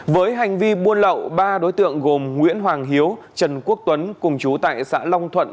với hành vi buôn lậu ba đối tượng gồm nguyễn hoàng hiếu trần quốc tuấn cùng chú tại xã long thuận